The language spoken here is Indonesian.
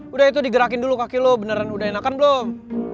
udah itu digerakin dulu kaki lo beneran udah enakan belum